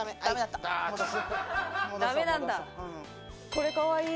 これ、かわいい。